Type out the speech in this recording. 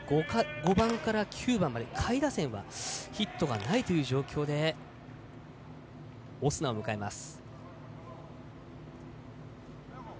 ５番から９番まで下位打線はヒットがないという状況でオスナを迎えます。